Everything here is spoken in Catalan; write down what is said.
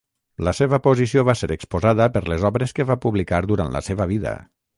La seva posició va ser exposada per les obres que va publicar durant la seva vida.